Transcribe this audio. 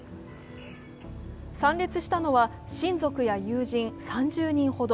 参列したのは親族や友人、３０人ほど。